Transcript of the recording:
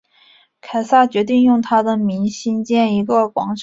凯撒决定要用他的名兴建一个广场。